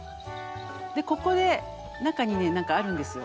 でここで中に何かあるんですよ